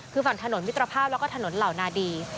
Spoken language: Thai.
คือฝั่งถนนมิตรภาพแล้วก็ถนนเหล่านาดี